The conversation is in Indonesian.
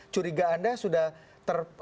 curiga anda sudah terpilih